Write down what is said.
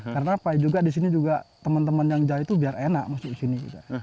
karena pak di sini juga teman teman yang jalan itu biar enak masuk ke sini